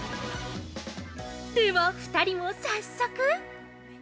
では、２人も早速。